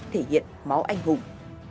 thể hiện máu anh hùng